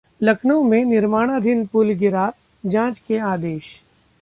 लखनऊ में निर्माणाधीन पुल गिरा, जांच के आदेश